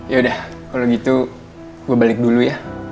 yaudah kalo gitu gue balik dulu ya